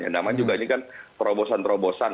yang nama juga ini kan perobosan perobosan